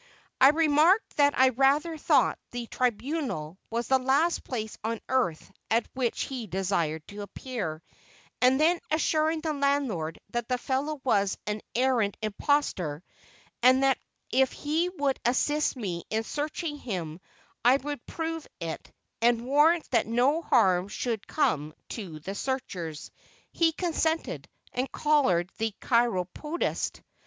I remarked that I rather thought the "Tribunal" was the last place on earth at which he desired to appear, and then assuring the landlord that the fellow was an arrant imposter, and that if he would assist me in searching him I would prove it and warrant that no harm should come to the searchers, he consented, and collared the chiropodist.